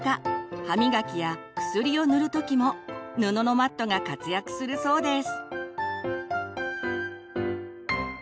歯磨きや薬を塗る時も布のマットが活躍するそうです。